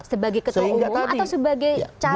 sebagai ketua umum atau sebagai